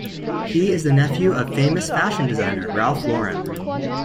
He is the nephew of famous fashion designer, Ralph Lauren.